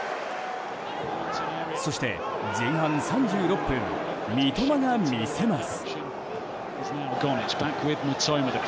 そして、前半３６分三笘が見せます。